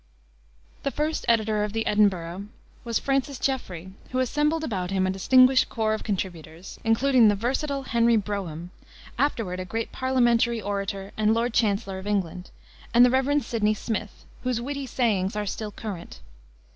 The first editor of the Edinburgh was Francis Jeffrey, who assembled about him a distinguished corps of contributors, including the versatile Henry Brougham, afterward a great parliamentary orator and lord chancellor of England, and the Rev. Sydney Smith, whose witty sayings are still current.